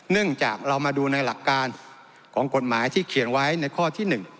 เนื่องจากเรามาดูในหลักการของกฎหมายที่เขียนไว้ในข้อที่๑